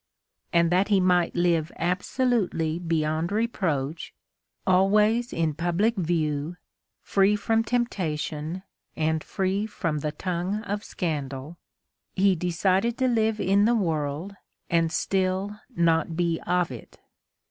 And that he might live absolutely beyond reproach, always in public view, free from temptation, and free from the tongue of scandal, he decided to live in the world, and still not be of it.